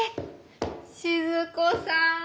静子さん